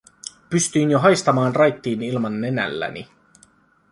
Pystyin jo haistamaan raittiin ilman nenälläni.